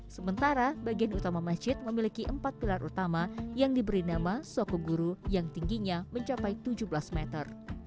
sementara bagian utama masjid memiliki empat pilar utama yang diberi nama sokoguru yang tingginya mencapai tujuh belas meter